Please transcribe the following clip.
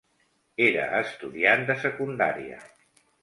Era estudiant de secundària.